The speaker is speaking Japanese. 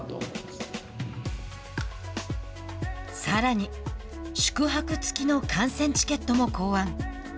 さらに、宿泊付きの観戦チケットも考案。